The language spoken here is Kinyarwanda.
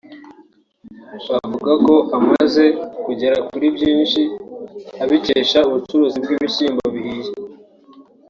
Avuga ko amaze kugera kuri byinshi abikesha ubucuruzi bw’ibishyimbo bihiye